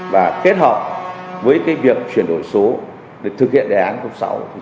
và kết hợp với việc chuyển đổi số để thực hiện đề án cộng sảo